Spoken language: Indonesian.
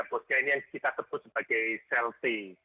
bosnya ini yang kita tebut sebagai sel t